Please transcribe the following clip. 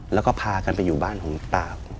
แล้วก็พากันไปอยู่บ้านของตา